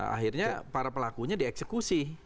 akhirnya para pelakunya dieksekusi